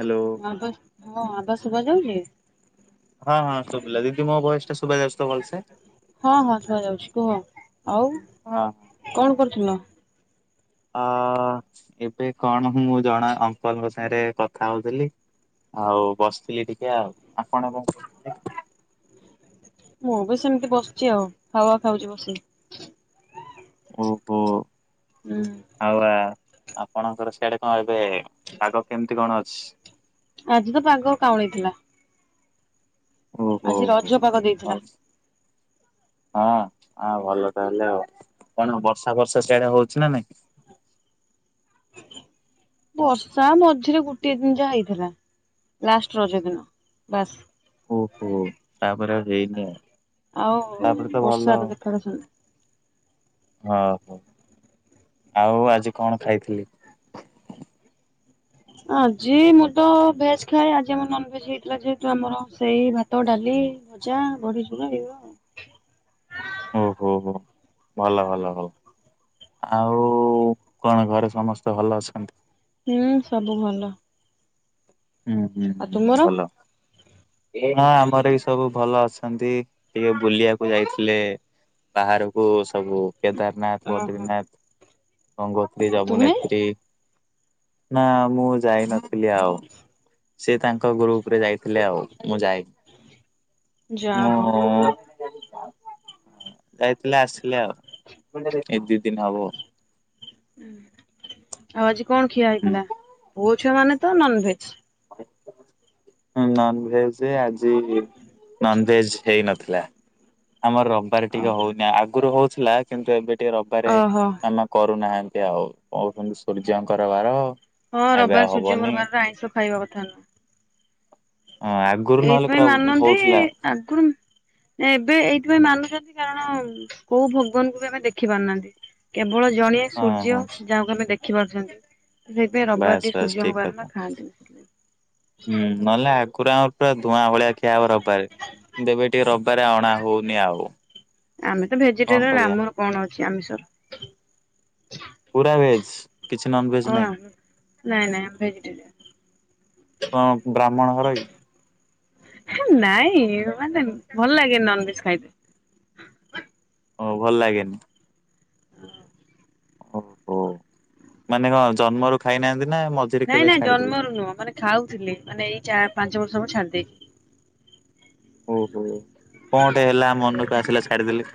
Hello ମୋ ଆବା ମୋ ଆବାଜ୍ ଶୁଣାଯାଉଛି। ହଁ-ହଁ ଶୁଭିଲା। ଦିଦି ମୋ ଭଏସ୍ ଟା ଶୁଭା ଯାଉଛି ତ ଭଲ୍ ସେ। ହଁ-ହଁ ଶୁଭା ଯାଉଛି। କୁହ ଆଉ ହଁ କଣ କରୁଥିଲ? ଅ ଏବେ କଣ ମୁଁ ଜଣେ ଅଙ୍କଲଙ୍କ ସାଙ୍ଗରେ କଥା ହଉଥିଲି। ଆଉ ବସିଥିଲି ଟିକେ ଆଉ। ଆପଣ କଣ କରୁଥି ମୁଁ ବି ସେମିତି ବସିଛି ଆଉ। ହାୱା ଖାଉଛି ବସିକି। ଓ ହୋ। ହାୱା। ଆପଣଙ୍କର ସେଆଡେ କଣ ଏବେ ପାଗ କେମିତି କଣ ଅଛି? ଆଜି ତ ପାଗ କାଉଁଳି ଥିଲା। ଓହୋ ଆଜି ହୋ ରଜ ପାଗ ଭଲ। ଦେଇଥିଲା। ହଁ, ଆଁ ଭଲ ତାହେଲେ ଆଉ। କଣ ବର୍ଷା ଫର୍ଷା ସେଆଡେ ହଉଛି ନା ନାଇଁ? ବର୍ଷା, ମଝିରେ ଗୋଟିଏ ଦିନ ଯାହା ହେଇଥିଲା। ଲାଷ୍ଟ ରଜ ଦିନ। ବାସ୍। ଓହୋ ତାପରେ ଆଉ ହେଇନି ଆଉ ଆଉ ତାପରେ ତ ବର୍ଷାର ଦେଖା ଦର୍ଶନ ନାହିଁ। ଓ ହୋ, ଆଉ ଆଜି କଣ ଖାଇଥିଲି? ଆଜି ମୁଁ ତ ଭେଜ୍ ଖାଏ। ଆଜି ଆମର ନନଭେଜ୍ ହେଇଥିଲା। ଯେହେତୁ ଆମର ସେଇ ଭାତ, ଡାଲି [inaudible] ଭଜା, ବଢିଚୁରା ଏଇଗୁଡା ଆଉ। ଓ ହୋ-ହୋ ଭଲ-ଭଲ-ଭଲ। ଆଉ କଣ ଘରେ ସମସ୍ତେ ଭଲ ଅଛନ୍ତି? ହୁଁ ସବୁ ଭଲ। ଆଉ ହୁଁ-ହୁଁ-ହୁଁ ତୁମର ଭଲ। ଏଇ ହଁ ଆମର ବି ସବୁ ଭଲ ଅଛ୍ ଛନ୍ତି। ଟିକେ ବୁଲିଆକୁ ଯାଇଥିଲେ ବାହାରକୁ ସବୁ। କେଦାରନାଥ, ଓହୋ ବଦ୍ରିନାଥ, ଗଙ୍ଗୋତ୍ରୀ, ଆଉ ତୁମେ? ଯମୁନେତ୍ରୀ ନା, ମୁଁ ଯାଇନଥିଲି ଆଉ। ସେ ତାଙ୍କ ଗ୍ରୁପ୍ ରେ ଯାଇଥିଲେ ଆଉ ମୁଁ ଯା ଯାଇନି ହଉ ମୁଁ ଯାଇଥିଲେ ଆସିଲେ ଆଉ ଏ ଦିଇ ଦିନ ହବ। ଆଉ ଆଜି କଣ ଖିଆ ହେଇଥିଲା? ପୁଅଛୁଆ ମାନେ ତ ନନଭେଜ୍। ନନଭେଜ୍ ଆଜି ନନଭେଜ୍ ହେଇନ ଥିଲା। ଆମର ରବିବାର ଟିକେ ଓହୋ ହୋଉନି ଆଗରୁ ହୋଉଥିଲା କିନ୍ତୁ ଏବେ ଏ ରବିବାରେ ଓହୋ ମାମା କରୁନାହାନ୍ତି ଆଉ କୋହୁଚନ୍ତି ସୂର୍ଯ୍ୟଙ୍କର ବାର। ହଁ ଏବେ ଆଉ ରବିବାର ସୁର୍ଯ୍ୟଙ୍କ ହବନି। ବାର ଆଇଁଷ ଖାଇବା କଥା ନୁହଁ। ହଁ ଆଗରୁ ନହେଲେ ଏଇଥିପାଇଁ ପୁରା ମାନନ୍ତି ହଉଥିଲା ଆଗରୁ ମୁଃ ଏବେ ଏଇଥିପାଇଁ ମାନ ଚନ୍ତି କାରଣ କୋଉ ଭଗବାନଙ୍କୁ ବି ଆମେ ଦେଖି ପାରୁନାହାନ୍ତି କେବ ଳ ଜଣିଏ ହଁ ହଁ ସୂର୍ଯ୍ୟ ଯାହାକୁ ଆମେ ଦେଖିପାରୁଚନ୍ତି। ସେଇଥି ପାଇଁ ରବିବାର ବାସ୍ ଟି ବାସ୍ ଠିକ ସୂର୍ଯ୍ୟଙ୍କ ବାର କଥା। ନା ଖାଆନ୍ତିନି ସେଥିପାଇଁ। ହୁଁ ନହେଲେ ଆଗରୁ ଆମର ପୁରା ଧୂଆଁ ଭଳିଆ ଖିଆ ହବ ରବିବାରେ କିନ୍ତୁ ଏବେ ଟିକେ ର ବିବାରେ ଅଣା ହୋଉନି ଆଉ। ଆମେ ତ କଣ ଭେଜିଟେରିଆନ କରିବା ଆମର କଣ ଅଛି ଆମିଷର ପୁରା ଭେଜ କିଛି ନନଭେଜ୍ ହଁ ନାହିଁ। ନାଇଁ ନାଇଁ ଆମେ ଭେଜିଟେରିୟାନ। କଣ ବ୍ରାହ୍ମଣ ଘରକି? ହେ ନାଇଁ ମାନେ ଭଲ ଲାଗେନି ନନଭେଜ୍ ଖାଇତେ। ଓ ଭଲ ଲାଗେନି? ଓହୋ ମାନେ କଣ ଜନ୍ମରୁ ଖାଇନାହାନ୍ତି। ନା ମଝିରେ ନାଇଁ କେବେ ନାଇଁ ଛାଡିଦେଲେ? ଜନ୍ମରୁ ନୁହଁ ମାନେ ଖାଉଥିଲି ମାନେ ଏଇ ଚା ପାଞ୍ଚ ବର୍ଷ ହବ ଛାଡିଦେଇଚି। ଓହୋ କଣଟେ ହେଲା ମନକୁ ଆସିଲା ଛାଡିଦେଲେ।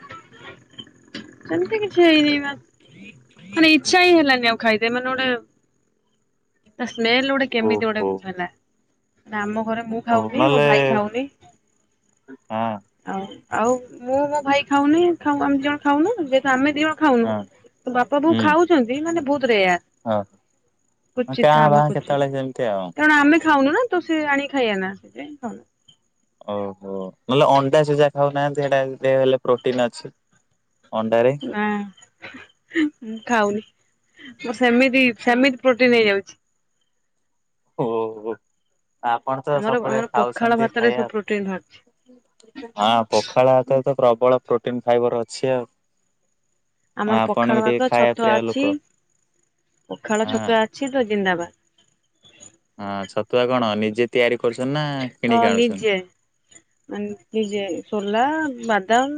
ସେମତି କିଛି ହେଇନି ବାସ୍ ମାନେ ଇଛା ହିଁ ହେଲାନି ଆଉ ଖାଇତେ ମାନେ ଗୋଟେ ତା ସ୍ମେଲ ଗୋଟେ କେମିତି ଗୋଟେ ଓହୋ ହେଲା ଆମ ଘରେ ମୁଁ ଓ ଖାଉନି ମୋ ନହେଲେ ଭାଇ ଖାଉନି ହଁ। ଆଉ ଆଉ ମୁଁ ମୋ ଭାଇ ଖାଉନି ଖାଉ ଆମେ ଦିଜଣ ଖାଉନୁ ଯେହେତୁ ଆମେ ଦିଜଣ ଖାଉନୁ ହଁ ତ ବାପା ବୋଉ ଖାଉଚନ୍ତି ମାନେ ବୋହୁତ ରେଆର। ଓହୋ କାଁ ଭା ଭାଁ କ୍ୱଚିତ। କେତେବେଳେ ଯେମିତି ଆଉ। କାରଣ ଆମେ ଖାଉନୁ ନା ତ ସେ ଆଣିକି ଖାଇବେନା ସେଥିପାଇଁ ଖାଉନୁ ଓହୋ ନହେଲେ ଅଣ୍ଡା ସିଝା ଖାଉନାହାନ୍ତି ହେଟା ଦେ ହେଲେ ପ୍ରୋଟିନ ଅଛି। ଅଣ୍ଡାରେ। ନାଁ ହୁଁ ହୁଁ ମୁଁ ଖାଉନି। ସେମିତି ସେମିତି ପ୍ରୋଟିନ୍ ହେଇଯାଉଚି। ଓହୋ ଆପଣ ତ ଆମର ସବୁବେଳେ ଆମର ପଖାଳ ଖାଉଚନ୍ତି ଭାତରେ ସବୁ ଖାଇବା। ପ୍ରୋଟିନ ବାହାରୁଛି। ହଁ ପଖାଳ ଭାତରେ ତ ପ୍ରବଳ ପ୍ରୋଟିନ ଫାଇବର ଅଛି ଆଉ। ଆମର ଆପଣ ବି ପଖାଳ ଟିକେ ଭାତ ଖାଇବା ଛତୁଆ ପ୍ରିୟ ଲୋକ ଅଛି ପଖାଳ ହଁ। ଛତୁଆ ଅଛି ତ ଜିନ୍ଦାବାଦ। ହଁ ଛତୁଆ କଣ ନିଜେ ତିଆରି କରୁଚନ୍ତି ନା ହଁ କିଣିକି ଆଣୁଚନ୍ତି? ନିଜେ ମାନେ କି ଯେ ସୋଲା ବାଦାମ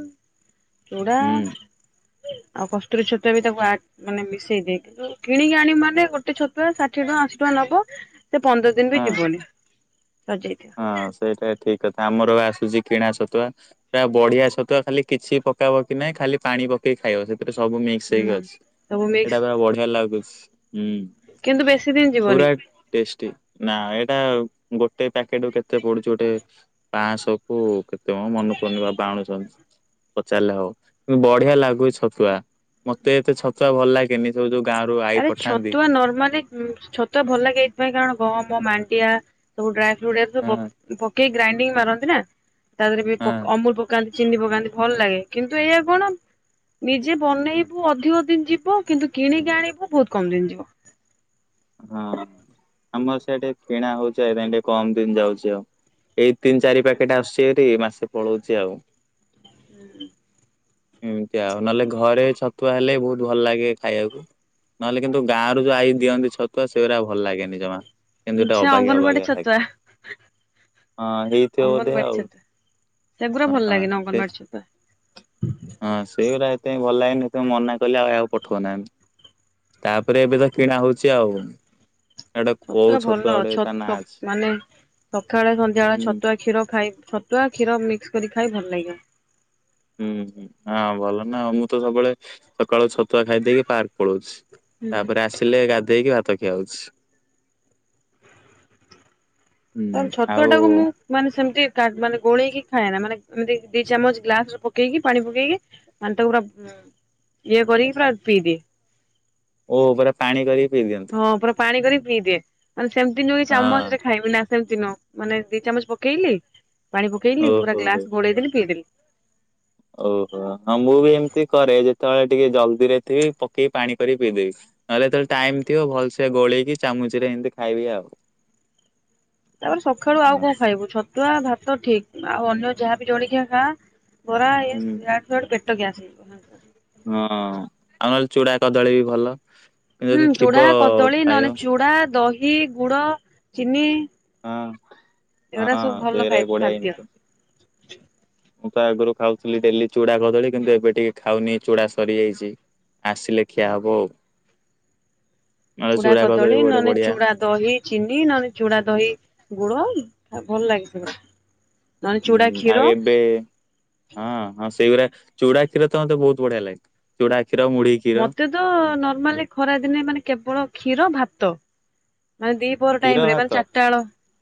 ଚୂଡ଼ା ହୁଁ। ଆଉ କସ୍ତୁରୀ ଛତୁଆ ବି ତାକୁ ଆଡ ମାନେ ମିଶେଇ ଦେଇକି କିଣିକି ଆଣିବୁ ମାନେ ଗୋଟେ ଛତୁଆ ସାଠିଏ ଟଙ୍କା। ପାଞ୍ଚଶହ ଟଙ୍କା ନବ ସେ ପନ୍ଦର ଦିନ ବି ହଁ ଯିବନି। ସରିଯାଇଥିବ ହଁ ସେଇଟା ଠିକ୍। କିନ୍ତୁ ଆମର ପା ଆସୁଚି କିଣା ସତୁଆ ପୁରା ବଢିଆ ସତୁଆ ଖାଲି କିଛି ପକା ପକି ନାହିଁ ଖାଲି ପାଣି ପ କେଇ ଖାଇବ ସେଥିରେ ସବୁ ମିକ୍ସ ହେଇକି ହୁଁ ଅଛି ସବୁ ମିକ୍ସ ଏଟାବା ପୁରା ବଢିଆ ଲାଗୁଚି ହୁଁ। କିନ୍ତୁ ବେଶୀ ଦିନ ଯିବନି। ପୁରା ଟେଷ୍ଟି ନା ଏଟା ଗୋଟେ ପ୍ୟାକେଟକୁ କେତେ ପଡୁଚି ଗୋଟେ ପାଞ୍ଚଶହ କୁ କେତେମ ମନେ ପଡୁନି ବାବା ଆଣିଚନ୍ତି। ପଚାରିଲେ ହବ ବଢିଆ ଲାଗୁଚି ଛତୁଆ ମତେ ଏତେ ଛତୁଆ ଭଲ ଲାଗେନି ସବୁ ଯୋଉ ଗାଁ ରୁ ଆଈ ଆରେ ପଠାନ୍ତି ଛତୁଆ ନର୍ମାଲି ଛତୁଆ ଭଲ ଲାଗେ ଏଇଥିପାଇଁ କାରଣ ଗହମ ମାଣ୍ଡିଆ ସବୁ ଡ୍ରା ଫ୍ରୁଟ୍ ଏରା ହଁ ସବୁ ପ-ପକେଇ ଗ୍ରାଇଡିଙ୍ଗ ମାରନ୍ତି ନା। ତା ଦେହରେ ବି ହଁ ପକ ଅମୁଲ ପକାନ୍ତି ଚିନି ପକାନ୍ତି ଭଲ ଲାଗେ କିନ୍ତୁ ଏଇଆ କଣ ନିଜେ ବନେଇବୁ ଅଧିକ ଦିନ ଯିବ କିନ୍ତୁ କିଣିକି ଆଣିବୁ ବୋହୁତ କମ ଦିନ ଯିବ। ହଁ ଆମର ସେଠେ କିଣା ହଉଛି ଏ ଟିକେ କମ ଦିନ ଯାଉଛି ଆଉ। ଏଇ ତିନି ଚାରି ପ୍ୟାକେଟ ଆସୁଛି ଏଠି ମାସେ ପଳଉଛି ଆଉ। [inaudible] ଏମତି ଆଉ ନହେଲେ ଘରେ ଛତୁଆ ହେଲେ ବହୁତ ଭଲ ଲାଗେ ଖାଇବାକୁ ନହେଲେ କିନ୍ତୁ ଗାଁ ର ଯୋଉ ଆଈ ଦିଅନ୍ତି ଛତୁଆ ସେଗୁା ଭଲ ଲାଗେନି ଜମା। କିନ୍ତୁ ଏଟା ସେ ଅବାଗିଆ ଅଙ୍ଗନବାଡି ଅବାଗିଆ ଛତୁଆ ଲାଗେ ହଁ ହେଇଥିବ ବୋଧେ ଆଉ। ସେଗୁୁରା ଭଲ ହଁ ଲାଗେନି ସେ ଅଙ୍ଗନବାଡି ଛତୁଆ। ହଁ ସେଇ ରା ଏତେ ଭଲ ଲାଗେନି। ମନା କଲେ ଆଉ ଆକୁ ପଠଉନାହି ତାପରେ ଏବେ ତ କିଣା ହଉଛି ଆଉ। ଗୋଟେ କୋଉ ଛତୁଆ ଭଲ ଗୋଟେ ଛ ତା ନାଁ ଅଛି। ମାନେ ସକାଳେ ସନ୍ଧ୍ୟାବେଳେ ହୁଁ ଛତୁଆ କ୍ଷୀର ଖାଇ ଟୁଆ କ୍ଷୀର ମିକ୍ସ କରି ଖାଇ ଭଲ ଲାଗିବ। ହୁଁ ହୁଁ ହଁ ଭଲ ନାଉ ମୁଁ ତ ସବୁବେଳେ ସକାଳୁ ଛତୁଆ ଖାଇ ଦେଇକି ପାର୍କ ପଳଉଛି। ହୁଁ। ତାପରେ ଆସିଲେ ଗାଧେଇକି ଭାତ ଖିଆହଉଛି। ତ ଛତୁଆ ଟାକୁ ମୁଁ ମାନେ ସେମିତି ମାନେ ଗୋଳେଇକି ଖାଏନା ମାନେ ଏମିତି ଦି ଚାମଚ ଗ୍ଲାସ ରେ ପକେଇକି ପାଣି ପକେଇକି ମାନେ ତାକୁ ପୁରା ଇଏ କରିକି ପୁରା ପିଇଦିଏ। ଓ ପୁରା ପାଣି କରି ହଁ ପୁରା ପାଣି କରିକି ପିଇଦିଏ ମାନେ ସେମିତି ଯୋଉ ଚାମଚେ ହଁ ଖାଇବି ନା ସେମିତି ନୁହେଁ ମାନେ ଦି ଚାମଚ ପକେଇଲି ପାଣି ପକେଇଲି ପୁରା ଓହୋ ହୋ। ଗ୍ଲାସ ଘୋଡେଇଦେଲି ପିଇଦେଲି। ଓହୋ ହଁ ମୁଁ ବି ଏମିତି କରେ ଯେତେବେଳେ ଟିକେ ଜଲଦିରେ ଥିବି ପକେଇକି ପାଣି କରିକି ପିଇଦେବି। ନହେଲେ ଏତବେଳେ ଟାଇମ ଥିବ ଭଲସ ଗୋଳେଇକି ଚାମୁଚରେ ଏମତି ଖାଇବି ଆଉ। ତାପରେ ସକାଳୁ ଆଉ ହଁ କଣ ଖାଇବୁ ଛତୁଆ ଭାତ ଠିକ ଆଉ ଅନ୍ୟ ଯାହାବି ଜଳିକିଆ ଖା ବରା ଇଏ ହୁଁ ଆଦୁସାଡୁ ପେଟ ଗ୍ୟାସ ହେଇଯାଏ। ହଁ ଆଉ ହେଲେ ଚୁଡା କଦଳୀ ବି ଭଲ। କିନ୍ତୁ ହୁଁ ଯଦି ଥିବ ଚୁଡା କଦଳୀ ଖାଇବ ନହଲେ ଚୁଡା ଦହି ଗୁଡ ଚିନି ହଁ ଏଗୁରା ହଁ ସବୁ ଭଲ ଖାଇ ସେଇଟାବି ବଢିୟା ଖାଦ୍ୟ। ଜିନିଷ। ମୁଁ ତ ଆଗରୁ ଖାଉଥିଲି ଡେଲି ଚୁଡା କ କିନ୍ତୁ ଏବେ ଟିକେ ଖାଉନି ଚୁଡା ସରିଯାଇଛି ଆସିଲେ ଖିଆ ହବ ଆଉ। ହ ଚୁଡା କଦଳୀ ନହେଲେ ଚୁଡା ଦହି ଚିନି ନହେଲେ ଚୁଡା ଦହି ଗଡ଼ମ ଆ ଭଲ ଲାଗିଥିବ। ହୁଁ ଆଉ ଏବେ ହଁ ହଁ ସେଇଗୁଡା ଚୁଡା ଖିର ତ ମୗତେ ବଢିଆ ଲାଗେ ଚୁଡା କ୍ଷୀର ମୁଢି କ୍ଷୀର ମତେ ତ ନର୍ମାଲି ଖରାଦିନେ ମାନେ କେବଳ କ୍ଷୀର ଭାତ ମାନେ ଦିପୋର କ୍ଷୀର ଟାଇମ ରେ ଭାତ ମାନେ ଚାରିଟା ହଳ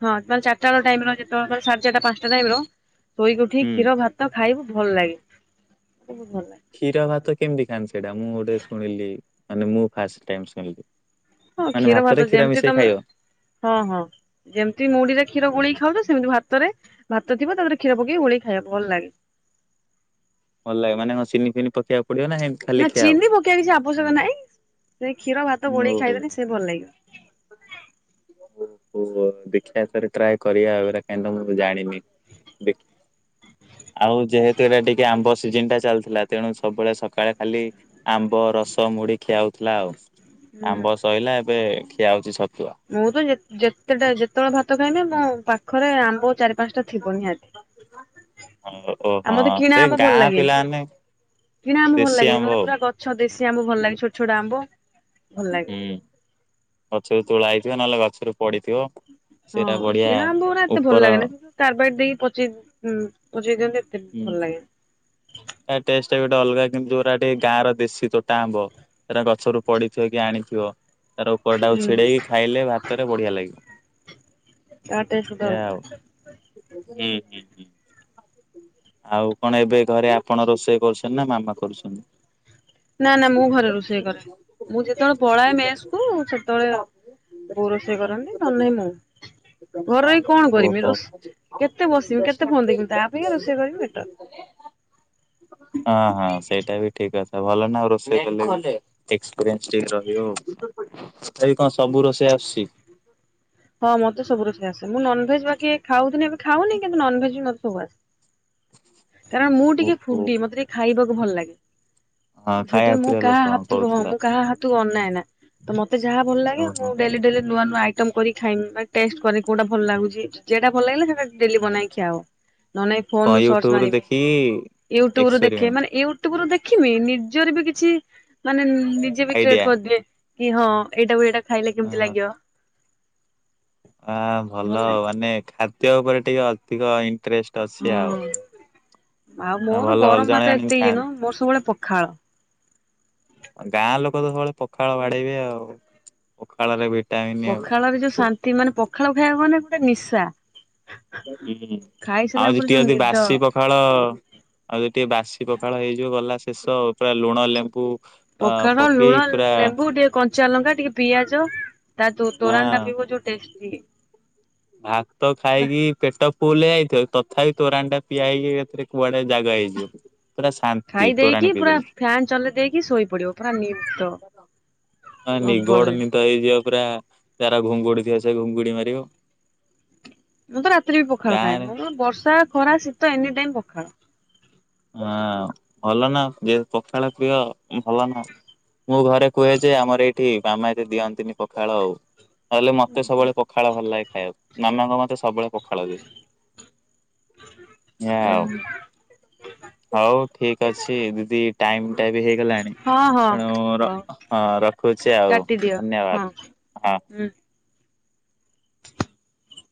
ହଁମେ ଚାରିଟା ବେ ଟାଇମ ର ଯେତେବେଳେେ ଚଢି ଚାରଟା ପାଞ୍ଚଟା ଟାଇମ ର ଶୋଇକି ଉଠି ହୁଁ। କ୍ଷୀର ଭାତ ଖାଇବୁ ଭଲ ଲାଗେ। ବହୁତ ଭଲ ଲାଗେ କ୍ଷୀର ଭାତ କେମିତି ଖାଆନ୍ତି ସେଟା ମୁଁ ଗୋଟେ ଶୁଣିଲି ମାନେ ମୁଁ ଫାଷ୍ଟ ଟିମ୍ଏ ଏ ଶୁଣିଲି। ହଁ ମାନେ କ୍ଷୀର ଭାତରେ ଭାତ ଯେମତି ମିଶେଇ ତମେ ଖାଇବ ହଁ ହଁ ଯେମତି ମୁଡିରେ କ୍ଷୀର ଗୁଣେଇ ଖାଉଛ ସେମ ଭାତରେ ଭାତ ଥିବ ତାପରେ କ୍ଷୀର ପକେଇକି ଓୋଳେଇ ଖାଇବା ଭଲ ଲାଗେ। ଭଲ ଲାଗେ ମାନେ କଣ ସିନି ଫିନି ପକେଇବାକୁ ପଡିବ ନା ଏମିତି ଖାଲି ନା ଖିଆ ହବ? ଚିନି ପକେଇବା କିଛି ଆବଶ୍ୟକ ନାହିଁ ସେ କ୍ଷୀର ଭାତ ଗୋଳେଇକି ଖାଇଦେଲେ ସେ ଭଲ ଲାଗିବ। [inaudible] ଓ ହୋ ଦେଖିବା ଥରେ ଟ୍ରାଏ କରିବା କାହିଁ ମୁଁ ଜାଣିନି। ଦେଖ ଆଉ ଯେହେତୁ ଏଇଟା ଟିକେ ଆମ୍ବ ସିଜିିନ ଟା ଚାଲିଥିଲା ତେଣୁ ସବୁବେଳେ ସକାଳେ ଖାଲି ଆମ୍ବ ରସ ମୁଢି ଖିଆ ହଉଥିଲା ଆଉ। ହୁଁ ଆମ୍ବ ସୋଇଲା ଏବେ ଖିଆ ହଉଚଛି ଛତ ମୁଁ ତ ଯେତେଟା ଯେତେବେଳେ ଭାତ ଖାଇବି ମୁଁ ପାଖରେ ଆମ୍ବ ଚାରି ପାଞ୍ଚଟା ଥିବ ନିହାତି। ହଉ ଓ ଆଉ ହଁ ମତେ କିଣା ସେ ଆମ ଭଲ ଗାଁ ଲାଗେନି ପିଲାମାନେ କିଣା ଆମ ଭଲ ଦେଶୀ ଲାଗେନି ଆମ୍ବ ମାନେ ଆଉ ପୁରା ଗଛ ଦେଶି ସେ ଆମ୍ବ ଭଲ ଲାଗେ ଛୋଟ ଛୋଟ ଆମ୍ବ ଭଲ ଲାଗେ। ହୁଁ। ଗଛରୁ ତୋଳା ହେଇଥିବ ନହେଲେ ଗଛରୁ ପଡିଥିବ ହଁ ସେଇଟା ବଢିଆ କିଣା ଆମ୍ବ ଗୋରା ଏତେ ଉପର ଭଲ ଲାଗେନା ସେ କାରବାଇଟ ଦେଇ ପଚେଇ ପଚେଇ ଦିଅନ୍ତ ଏତେ ହୁଁ ଭଲ ଲାଗେନା ତା ଟେଷ୍ଟ ଟା ଗୋଟେ ଅଲଗା କିନ୍ତୁ ଯୋଉଗୁରା ଟିକେ ଗାଁର ଦେଶୀ ତୋଟା ଆମ୍ବ, ସେଟା ଗଛରୁ ପଡିଥିବ କି ଆଣିଥିବ ତ ତାର ଉପରଟାକୁ ହୁଁ ଛିଡେଇକି ଖାଇଲେ ଭାତରେ ବଢିଆ ଲାଗିବ। ତାଟେ ଏଇଆ ସୁଧରଗା। ଆଉ। ହୁଁ ହୁଁ ହୁଁ। ଆଉ କଣ ଏବେ ଘରେ ଆପଣ ରୋଷେଇ କରୁଛନ୍ତି ନା ମାମା କରୁଛନ୍ତି? ନା ନା ମୁଁ ଘରେ ରୋଷେଇ କରେ ମୁଁ ଯେତେବେଳେ ପଳାଏ ମେସ୍ କୁ ସେତେବେଳେ ବୋଉ ରୋଷେଇ କରନ୍ତି ନ ହେଲେ ନାଇଁ ମୁଁ। ଘରରେ ରହି କଣ କରମି ଓହୋ। ରୋସ, କେତେ ବସିବି କେତେ ଫୋନ ଦେଖୀମି ତା ଅପେକ୍ଷା ରୋଷେଇ କରିବି ବେଟର। ହଁ ହଁ ସେଇଟା ବି ଠିକ ଅଛି। ଭଲ ନା ଆଉ ରୋଷେଇ କଲେ ଏକ୍ସପିରିିଏନ୍ସ ଟିକେ ରହିବ ଆଉ, ତଥାପି କଣ ସବୁ ରୋଷେଇ ଆସୁଚି? ହଁ ମତେ ସବୁ ରୋଷେଇ ଆସେ, ମୁଁ ନନ୍ ଭେଜ ବାକି ଖାଉଥିଲି ଏବେ ଖାଉନି କିନ୍ତୁ ନନଭେଜ ବି ମତେ ସବୁ ଆସେ। କାରଣ ମୁଁ ଟିକେ ଓହୋ ଫୁଡି, ମତେ ଟିକେ ଖାଇବାକୁ ଭଲ ଲାଗେ। ହଁ ଖାଇବା ସେଥିପାଇଁ ମୁଁ ପିଇବା କାହା ଲୋକ ହାତରୁ ହଁ କହୁଥିଲା ମୁଁ କାହା ହାତ ଅନାଏ ନା, ତ ମତେ ଯାହା ଭଲ ଲାଗେ ଓହୋ ମୁଁ ଡେଲି ଡେଲି ନୂଆ ନୂଆ ଆଇ କରି ଖାଇି ଟେଷ୍ଟ କରେ କଉଟା ଭଲ ଲାଗୁଛି ଯେଟା ଭଲ ଲାଗିଲା ସେଟା ଡେଲି ବନେଇକିଆବ ନ ନାଇଁ ଫୋନ କଣ ରୁ ସର୍ଚ୍ଚ ୟୁଟ୍ୟୁବରୁ ମାରିବି, ଦେଖିକି ୟୁଟ୍ୟୁବୁରୁ ଦେଖେ ଏକ୍ସପେରିମେଣ୍ଟ ମାନେ, ୟୁ ଟ୍ୟୁବ ରୁ ଦେଖିବି ନିଜରେ ବି କିଛି, ମାନେ ନିଜେ ବି ଆଇଡିଆ କ୍ରିଏଟ କରିଦିଏ। କି ହଁ ଏଇଟାକୁ ଏଇଟା ଖାଇଲେ କେମିତି ହଁ। ଲାଗିବ? ଆ ଭଲ ଆଉ ମାନେ ଖାଦ୍ୟ ଉପରେ ଟିକେ ଅଧିକ ଇଁ ହୁଁ ଆଉ ମୋର ଭଲ ଭଲ ଗରମ ଜଣେ ଭାତ ଜଣେ ଏତେ ଇଏ ଥାଆନ୍ତି ନୁହଁ ମୋର ସବୁବେଳେ ପ ଖାଳ ଗାଁ ଲୋକ ତ ସବୁବେଳେ ପଖାଳ ବାଡ଼େଇବେ ଆଉ, ପଖାଳରେ ଭି ପଖାଳରେ ଯୋଉ ଶାନ୍ତି ମାନେ ପଖାଳ ଖାଇବାକୁ ମାନେ ପୁରା ନିଶା। ହୁଁ ଖାଇସାରିଲା ଆଉ ପରେ ଯୋଉ ଯେତିକ ଵି ନିଦ। ବାସି ପଖାଳ ଆଉ ଯଦି ଟିକେ ବାସି ପଖାଳ ହେଇଯିବ ଗଲା ଶେଷ, ପୁରା ଲୁଣ ଲେମ୍ବୁ ଅ ପଖାଳ, ପକେଇ ଲୁଣ, ପୁରା ଲେମ୍ବୁ ଟିକେ କ କଞ୍ଚାଲଙ୍କା ଟିକେ ପିଆଜ ତା ଯୋଉ ତୋରାଣି ଟା ହଁ ପିଇବ ଯୋଉ ଟେଷ୍ଟି। ଭାତ ପୁରା ଖାଇକି ପେଟ ଫୁଲ ହେଇଯାଇଥିବ ତଥାପି ତୋରାଣି ଟା ପିଆ ହେଇକି ଏକାଥରେ କୁଆଡେ ଜାଗା ହେଇଯିବ। ପୁରା ଶାନ୍ତି ଖାଇ ତୋରାଣୀ ଦେଇେକି ପୁରା ପିଇଦେଲେ ଫ୍ୟାନ ଚଲେଇ ଦେଇକି ଶୋଇ ପଡିବ, ପୁରା ନିଦ। ହ ନିଘୋଡ଼ ନିଦ ହେଇଯିବ ପୁରା ତାର ଘୁଙ୍ଗୁଡି ଥିବ ସେ ଘୁଙ୍ଗୁଡି ମାରିବ। ମୁଁ ତ ରାତିରେ ବି ପଖାଳ ଖାଏ, ଗାଁରେ ମୁଁ ବର୍ଷା ଖରା ଶୀତ ଏନି ଟାଇମ ପଖାଳ। ହଁ ଭଲ ନା ଯେ ପଖାଳ ପ୍ରିୟ ଭଲ ନା। ମୁଁ ଘରେ କୁହେ ଯେ ଆମର ଏଇଠି ମାମା ଏତେ ଦିଅନ୍ତିନି ପଖାଳ ଆଉ। ନହେଲେ ମତେ ସବୁବେଳେ ପଖାଳ ଭଲ ଲାଗେ ଖାଇବାକୁ, ମାମା କଣ ମତେ ସବୁବେଳେ ପଖା ଖାଳ, ଏୟା ଆଉ। ହୁଁ। ହଉ ଠିକ ଅଛି ଦିଦି ଟାଇମ ଟା ବି ହେଇଗଲାଣି। ହଁ ହଁ ଏଣୁ ର ହଉ ହଁ ରଖୁଛି ଆଉ କାଟିଦିଅ ହଁ ଧନ୍ୟବାଦ ହଁ। ହୁଁ।